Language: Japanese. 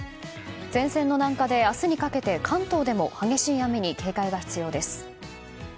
前線の南下で明日にかけて関東でも激しい雨に警戒が必要です。